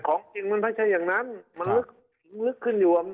ของจริงมันไม่ใช่อย่างนั้นมันลึกขึ้นอยู่